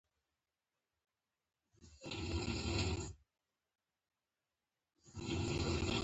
هغه يو ځل بيا د هغه مخې ته ولاړ و.